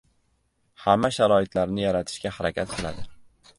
hamma sharoitlarni yaratishga harakat qiladi.